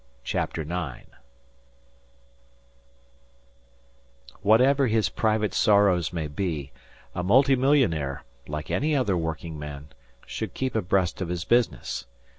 CHAPTER IX Whatever his private sorrows may be, a multimillionaire, like any other workingman, should keep abreast of his business.